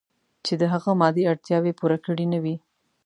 چې د هغه مادي اړتیاوې پوره کړې نه وي.